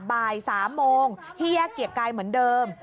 บ่าย๓โมงที่แยกเกียรติกายเหมือนเดิม